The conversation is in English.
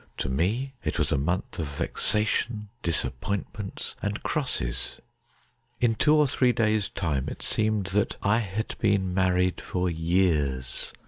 To me it was a month of vexa tion, disappointments, and crosses. In two or three days' time it seemed that I had been married for years.